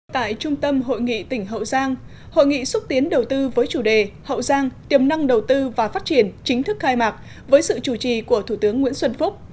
tại trung tâm hội nghị tỉnh hậu giang hội nghị xúc tiến đầu tư với chủ đề hậu giang tiềm năng đầu tư và phát triển chính thức khai mạc với sự chủ trì của thủ tướng nguyễn xuân phúc